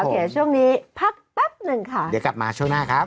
ใช่ค่ะโอเคช่วงนี้พักปั๊บหนึ่งค่ะครับผมโอเคเดี๋ยวกลับมาช่วงหน้าครับ